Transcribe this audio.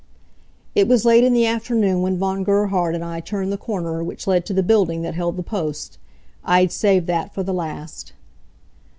It was late in the afternoon when Von Gerhard and I turned the corner which led to the building that held the Post. I had saved that for the last.